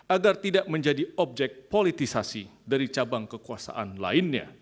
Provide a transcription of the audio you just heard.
agar tidak menjadi objek politisasi dari cabang kekuasaan lainnya